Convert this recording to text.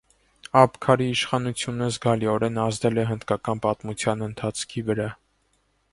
Աբքարի իշխանությունը զգալիորեն ազդել է հնդկական պատմության ընթացքի վրա։